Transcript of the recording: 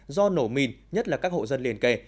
do nổ mìn nhất là các hộ dân liên kề